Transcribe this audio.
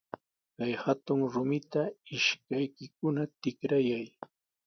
Kay hatun rumita ishkaykikuna tikrayay.